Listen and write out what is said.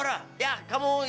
mari kita pergi